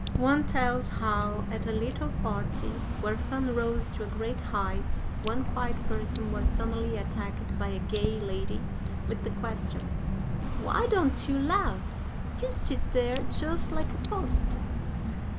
"One tells how, at a little party, where fun rose to a great height, one quiet person was suddenly attacked by a gay lady with the question: 'Why don't you laugh? You sit there just like a post!'